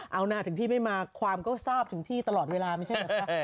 เอานะถึงพี่ไม่มาความก็ทราบถึงพี่ตลอดเวลาไม่ใช่เหรอคะ